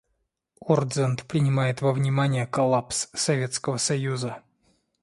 Ортзанд принимает во внимание коллапс Советского Союза.